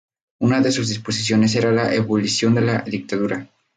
Una de sus disposiciones era la abolición de la dictadura.